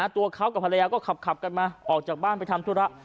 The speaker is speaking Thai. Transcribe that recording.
ตัวเขากับภรรยาก็ขับกันมาออกจากบ้านไปทำธุระ